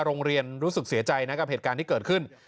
รู้สึกเสียใจนะกับเหตุการณ์ที่เกิดขึ้น